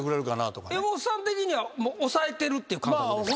江本さん的には抑えてるって感覚ですか？